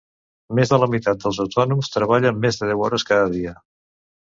Més de la meitat dels autònoms treballa més de deu hores cada dia